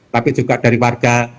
tapi juga dari warga